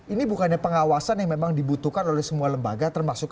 ini bukannya pengawasan yang memang dibutuhkan oleh semua lembaga termasuk